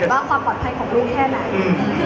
ว่าความปลอดภัยของลูกแค่ไหน